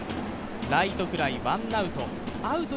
ライトフライ、ワンアウト。